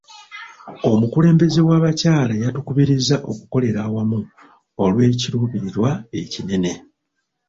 Omukulembeze w'abakyala yatukubirizza okukolera awamu olw'ekiruubirirwa ekinene.